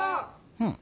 うん。